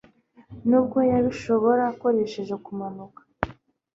Nubwo yabishobora akoresheje kumanuka